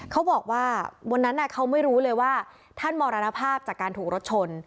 เขาบอกว่าวันนั้นเขาไม่รู้เลยว่าท่านมรณภาพจากการถูกรถชน